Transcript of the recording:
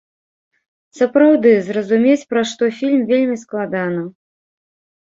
Сапраўды, зразумець пра што фільм, вельмі складана.